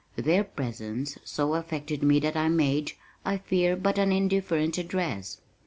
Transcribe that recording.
Their presence so affected me that I made, I fear, but an indifferent address.